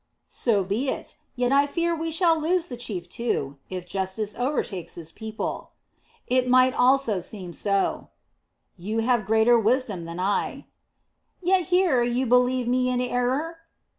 "So be it. Yet I fear we shall lose the chief, too, if justice overtakes his people." "It might almost seem so." "You have greater wisdom than I." "Yet here you believe me in error."